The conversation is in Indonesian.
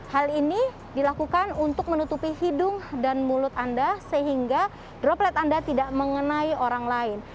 hal ini dilakukan untuk menutupi hidung dan mulut anda sehingga droplet anda tidak mengenai orang lain